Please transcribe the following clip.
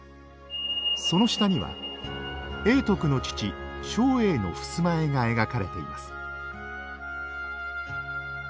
その下には永徳の父松栄の襖絵が描かれています。